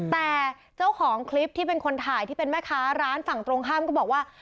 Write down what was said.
แต่เจ้าของคลิปที่เป็นคนถ่ายที่เป็นแม่ค้าร้านฝั่งตรงข้ามก็บอกว่า